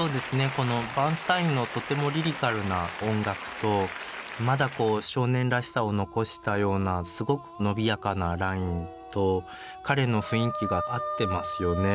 このバーンスタインのとてもリリカルな音楽とまだ少年らしさを残したようなすごく伸びやかなラインと彼の雰囲気が合ってますよね。